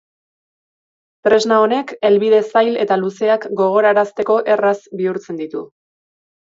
Tresna honek helbide zail eta luzeak gogorarazteko erraz bihurtzen ditu.